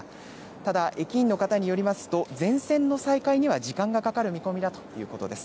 ただ駅員の方によりますと全線の再開には時間がかかる見込みだということです。